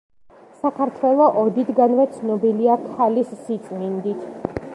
საქართველო ოდითგანვე ცნობილია ქალის სიწმინდით.